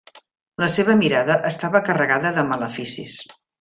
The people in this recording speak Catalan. La seva mirada estava carregada de maleficis.